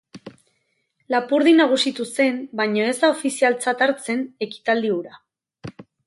Lapurdi nagusitu zen baina ez da ofizialtzat hartzen ekitaldi hura.